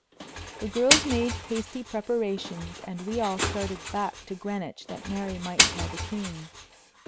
The girls made hasty preparations, and we all started back to Greenwich that Mary might tell the king.